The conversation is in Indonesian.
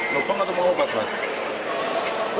lubang atau mengubah